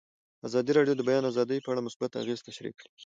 ازادي راډیو د د بیان آزادي په اړه مثبت اغېزې تشریح کړي.